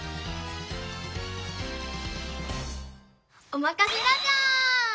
おまかせラジャー！